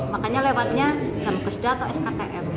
makanya lewatnya jam kesedah atau sktm